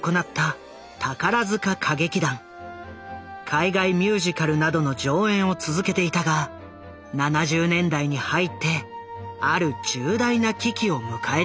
海外ミュージカルなどの上演を続けていたが７０年代に入ってある重大な危機を迎えていた。